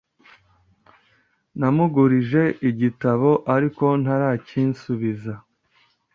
Namugurije igitabo, ariko ntaracyisubiza.